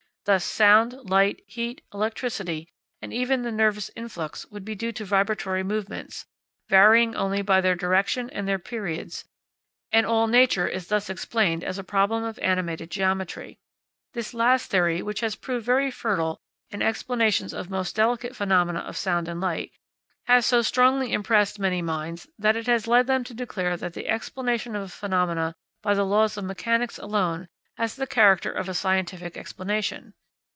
Thus, sound, light, heat, electricity, and even the nervous influx would be due to vibratory movements, varying only by their direction and their periods, and all nature is thus explained as a problem of animated geometry. This last theory, which has proved very fertile in explanations of the most delicate phenomena of sound and light, has so strongly impressed many minds that it has led them to declare that the explanation of phenomena by the laws of mechanics alone has the character of a scientific explanation.